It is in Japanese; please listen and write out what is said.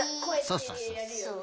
そうそうそう。